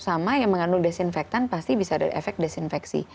sama yang mengandung desinfektan pasti bisa ada efek desinfeksi